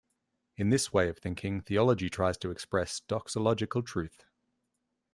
In this way of thinking, theology tries to express doxological truth.